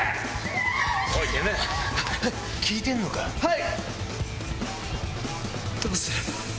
はい！